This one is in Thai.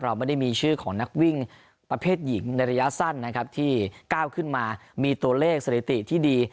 เราไม่ได้มีชื่อของนักวิ่งประเภทหญิงในระยะสั้นนะครับที่ก้าวขึ้นมามีตัวเลขสถิติที่ดี